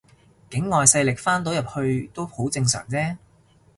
境外勢力翻到入去都好正常啫